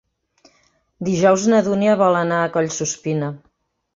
Dijous na Dúnia vol anar a Collsuspina.